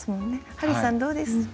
ハリーさんどうでしたか？